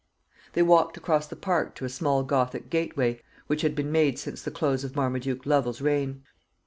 They walked across the park to a small gothic gateway, which had been made since the close of Marmaduke Lovel's reign.